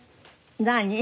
何？